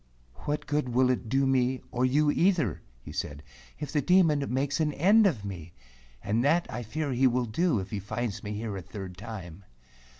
"What good will it do me, or you either," he said, "if the Demon makes an end of me? And that I fear he will do, if he finds me here a third time."